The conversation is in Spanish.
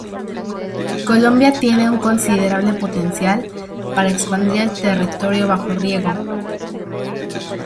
Colombia tiene un considerable potencial para expandir el territorio bajo riego.